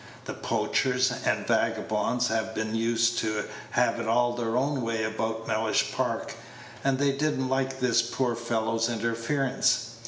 The poachers and vagabonds have been used to have it all their own way about Mellish Park, and they did n't like this poor fellow's interference.